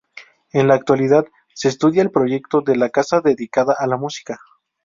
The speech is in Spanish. En la actualidad se estudia el proyecto de la casa dedicada a la música.